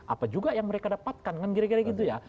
apa juga yang mereka dapatkan kan kira kira gitu ya